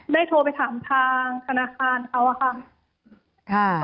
โทรไปถามทางธนาคารเขาอะค่ะ